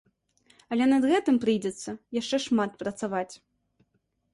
Але над гэтым прыйдзецца яшчэ шмат працаваць.